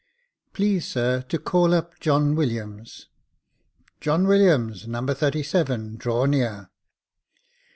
" Please, sir, to call up John Williams." " John Williams, No. 37, draw near."